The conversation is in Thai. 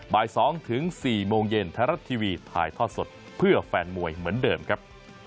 บ่าย๒ถึง๔โมงเย็นไทยรัฐทีวีถ่ายทอดสดเพื่อแฟนมวยเหมือนเดิมครับ